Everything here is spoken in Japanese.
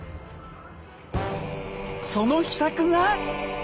その秘策が。